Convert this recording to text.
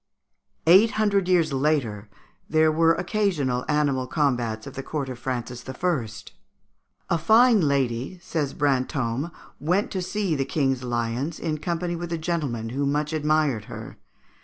Eight hundred years later there were occasional animal combats at the court of Francis I. "A fine lady," says Brantôme, "went to see the King's lions, in company with a gentleman who much admired her.